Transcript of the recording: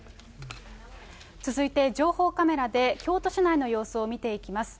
続いて情報カメラで京都市内の様子を見ていきます。